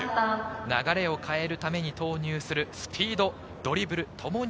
流れを変えるために投入するスピード、ドリブル、ともに